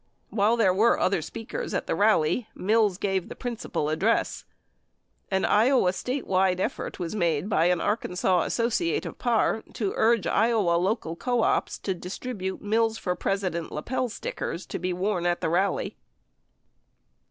While there were other speakers at the rally, Mills gave the principal address. An Iowa statewide effort was made by an Arkansas associate of Parr to urge Iowa local co ops to distribute Mills for President lapel stickers to be worn at the rally.